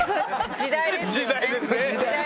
時代ですね。